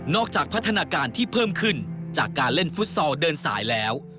จากพัฒนาการที่เพิ่มขึ้นจากการเล่นฟุตซอลเดินสายแล้ว